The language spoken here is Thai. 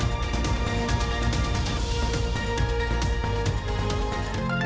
สวัสดีค่ะ